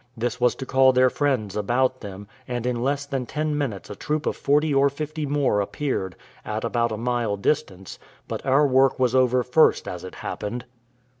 This was to call their friends about them, and in less than ten minutes a troop of forty or fifty more appeared, at about a mile distance; but our work was over first, as it happened.